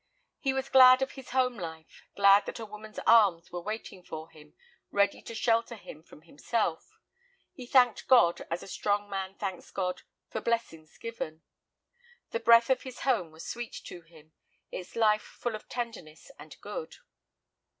He was glad of his home life, glad that a woman's arms were waiting for him, ready to shelter him from himself. He thanked God, as a strong man thanks God, for blessings given. The breath of his home was sweet to him, its life full of tenderness and good.